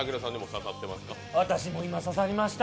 私も今、刺さりました。